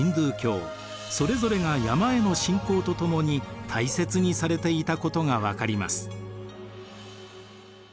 それぞれが山への信仰とともに大切にされていたことが分かります。